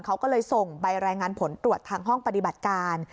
เขาก็เลยส่งใบรายงานผลตรวจทางห้องปฏิบัติการ